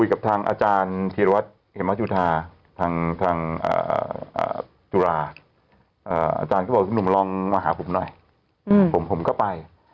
อาจารย์ก็บอกนุ่มลองมาหาผมหน่อยผมก็ไป